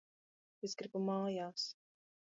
Es gribu mājās!